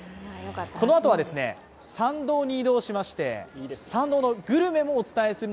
このあとは参道に移動しまして参道のグルメもお伝えします。